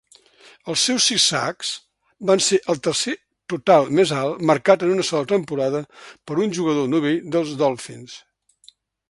Els seus sis sacs van ser el tercer total més alt marcat en una sola temporada per un jugador novell dels Dolphins.